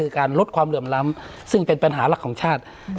คือการลดความเหลื่อมล้ำซึ่งเป็นปัญหาหลักของชาติ